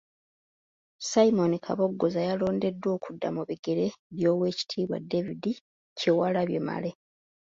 Simon Kabogoza yalondeddwa okudda mu bigere by’Oweekitiibwa David Kyewalabye Male.